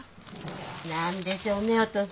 何でしょうねお父さん。